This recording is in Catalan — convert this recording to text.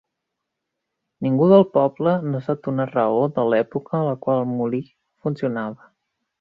Ningú del poble no sap donar raó de l'època en la qual el molí funcionava.